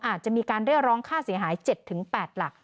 อาจจะมีการเรียกร้องค่าเสียหาย๗๘หลัก